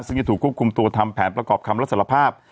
ซึ่งจะถูกควบคุมตัวทำแผนประกอบคำรับสารภาพ